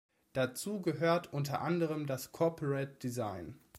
Dazu gehört unter anderem das Corporate Design.